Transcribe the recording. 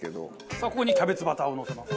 さあここにキャベツバターをのせます。